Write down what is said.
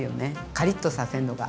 カリッとさせるのが。